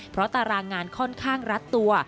เพราะตารางงานค่อนข้างรัดตัว